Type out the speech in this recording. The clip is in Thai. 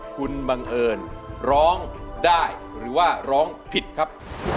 คุณบังเอิญร้องได้หรือว่าร้องผิดครับ